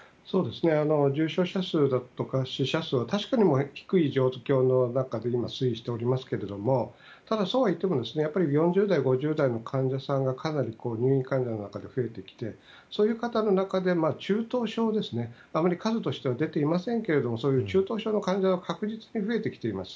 重症者数や死者数は低い状況の中で今、推移しておりますけれどもただ、そうはいっても４０代５０代の患者さんが入院患者の中で増えてきていてそういう方の中で、中等症ですねあまり数としては出ていませんけれども中等症の患者は確実に増えてきています。